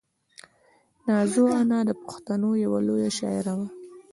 نازو انا د پښتنو یوه لویه شاعره وه.